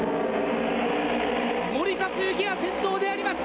森且行が先頭であります。